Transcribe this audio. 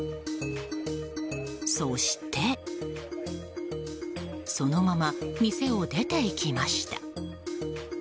そしてそのまま店を出て行きました。